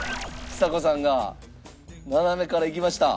ちさ子さんが斜めからいきました。